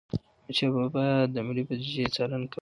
احمدشاه بابا به د ملي بوديجي څارنه کوله.